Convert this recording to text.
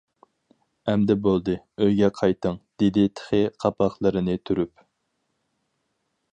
-ئەمدى بولدى، ئۆيگە قايتىڭ-دېدى تېخى قاپاقلىرىنى تۈرۈپ.